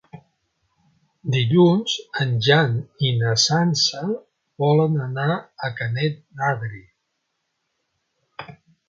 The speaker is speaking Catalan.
Dilluns en Jan i na Sança volen anar a Canet d'Adri.